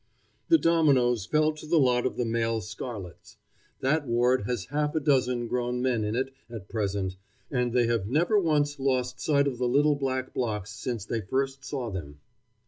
The dominoes fell to the lot of the male scarlets. That ward has half a dozen grown men in it at present, and they have never once lost sight of the little black blocks since they first saw them.